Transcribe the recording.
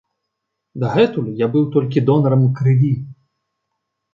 Дагэтуль я быў толькі донарам крыві.